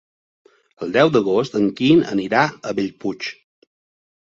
El deu d'agost en Quim irà a Bellpuig.